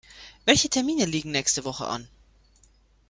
Welche Termine liegen nächste Woche an?